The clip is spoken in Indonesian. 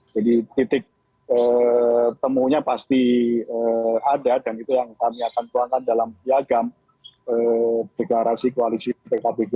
jadi semangat untuk mendapatkan ekor just itu